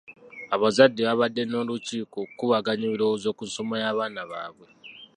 Abazadde babadde n'olukiiko okukubaganya ebirowoozo ku nsoma y'abaana baabwe.